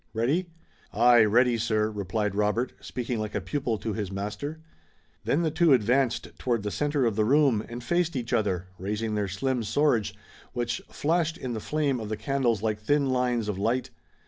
Ready?" "Aye, ready, sir!" replied Robert, speaking like a pupil to his master. Then the two advanced toward the center of the room and faced each other, raising their slim swords which flashed in the flame of the candles like thin lines of light.